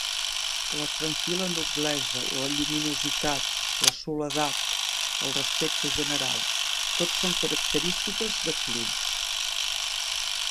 La tranquil·la noblesa, la lluminositat, la soledat, el respecte general: tot són característiques de Klee.